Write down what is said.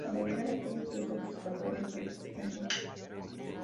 La mayoría de la población son pescadores de sustento.